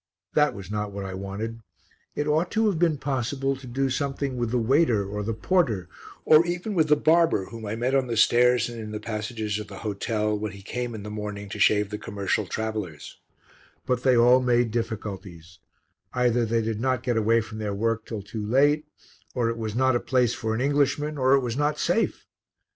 That was not what I wanted. It ought to have been possible to do something with the waiter or the porter, or even with the barber whom I met on the stairs and in the passages of the hotel when he came in the morning to shave the commercial travellers; but they all made difficulties either they did not get away from their work till too late, or it was not a place for an Englishman or it was not safe.